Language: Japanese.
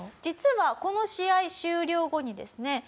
実はこの試合終了後にですね